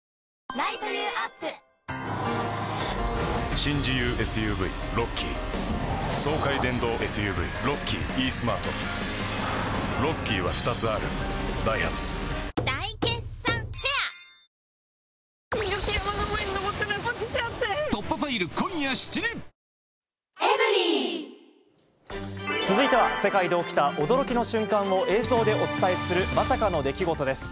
新自由ＳＵＶロッキー爽快電動ＳＵＶロッキーイースマートロッキーは２つあるダイハツ大決算フェア続いては、世界で起きた驚きの瞬間を映像でお伝えする、まさかの出来事です。